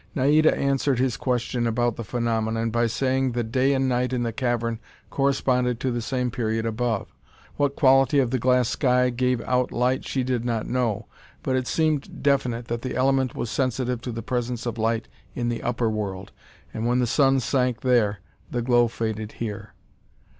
Naida answered his question about the phenomenon by saying that day and night in the cavern corresponded to the same period above. What quality of the glass sky gave out light, she did not know, but it seemed definite that the element was sensitive to the presence of light in the upper world, and when the sun sank there, the glow faded here.